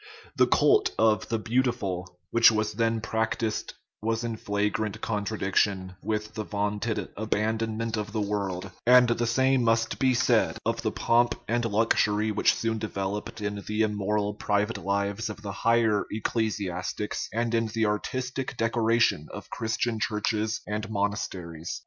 The cult of the " beautiful," which was then practised, was in flagrant contradiction with the vaunted "abandonment of the world"; and the same must be said of the pomp and luxury which soon developed in the immoral private lives of the higher ecclesiastics and in the artistic decoration of Christian churches and monasteries.